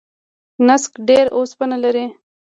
نسک ډیر اوسپنه لري.